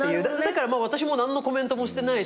だから私も何のコメントもしてないし。